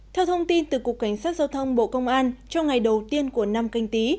theo thông tin từ cục cảnh sát giao thông bộ công an trong ngày đầu tiên của năm canh tí